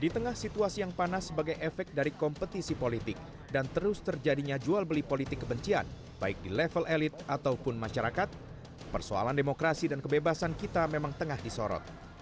di tengah situasi yang panas sebagai efek dari kompetisi politik dan terus terjadinya jual beli politik kebencian baik di level elit ataupun masyarakat persoalan demokrasi dan kebebasan kita memang tengah disorot